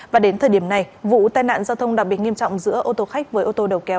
và đến thời điểm này vụ tai nạn giao thông đặc biệt nghiêm trọng giữa ô tô khách với ô tô đầu kéo